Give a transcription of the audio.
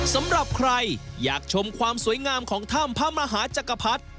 สำหรับใครอยากชมความสวยงามของถ้ำพระมหาจักรพรรดิ